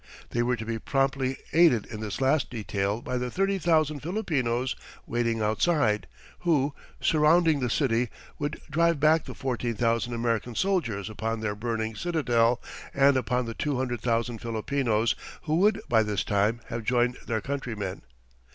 They were to be promptly aided in this last detail by the thirty thousand Filipinos waiting outside, who, surrounding the city, would drive back the fourteen thousand American soldiers upon their burning citadel and upon the two hundred thousand Filipinos, who would by this time have joined their countrymen.